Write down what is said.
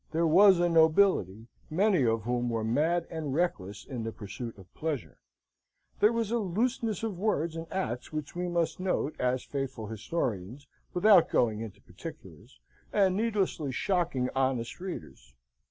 There was a nobility, many of whom were mad and reckless in the pursuit of pleasure; there was a looseness of words and acts which we must note, as faithful historians, without going into particulars, and needlessly shocking honest readers.